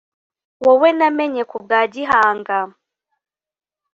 Wowe namenye kubwa Gihanga